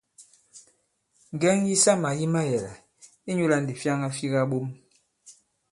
Ŋgɛŋ yisamà yi mayɛ̀là, inyūlā ndǐ fyaŋa fi kaɓom.